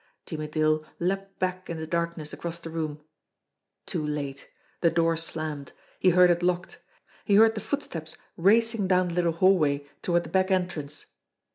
Jimmie Dale leaped back in the darkness across the room too late! The door slammed. He heard it locked. He heard the footsteps racing down the little hallway toward the back entrance.